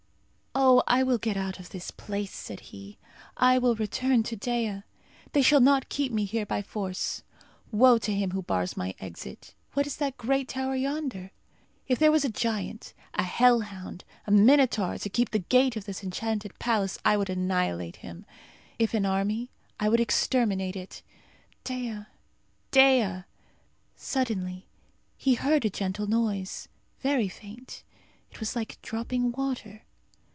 "Oh! I will get out of this place," said he. "I will return to Dea! They shall not keep me here by force. Woe to him who bars my exit! What is that great tower yonder? If there was a giant, a hell hound, a minotaur, to keep the gate of this enchanted palace, I would annihilate him. If an army, I would exterminate it. Dea! Dea!" Suddenly he heard a gentle noise, very faint. It was like dropping water.